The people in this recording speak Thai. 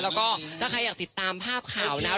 แล้วก็ถ้าใครอยากติดตามภาพข่าวนะ